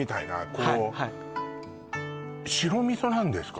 こうはいはい白味噌なんですか？